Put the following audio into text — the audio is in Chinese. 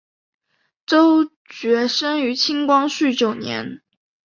周珏生于清光绪九年。